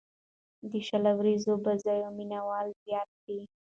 د شل اووريزو بازيو مینه وال زیات دي.